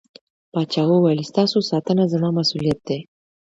پاچا وويل: ستاسو ساتنه زما مسووليت دى.